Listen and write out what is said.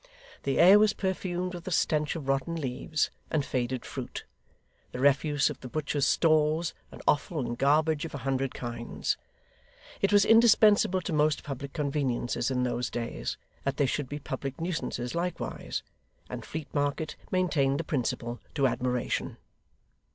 The air was perfumed with the stench of rotten leaves and faded fruit; the refuse of the butchers' stalls, and offal and garbage of a hundred kinds. It was indispensable to most public conveniences in those days, that they should be public nuisances likewise; and Fleet Market maintained the principle to admiration.